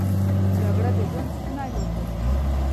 جګړه د ژوند ستونی ماتوي